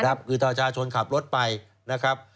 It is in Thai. คือถ้าประชาชนขับรถไปนะครับ